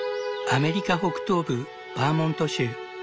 アメリカ北東部バーモント州。